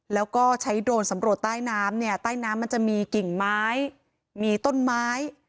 แล้วก็ใช้โดรนสำรวจใต้น้ำเนี่ยใต้น้ำมันจะมีกิ่งไม้มีต้นไม้